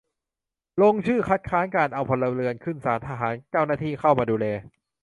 ลงชื่อคัดค้านการเอาพลเรือนขึ้นศาลทหาร เจ้าหน้าที่เข้ามาดูแล